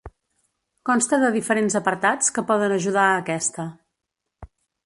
Consta de diferents apartats que poden ajudar a aquesta.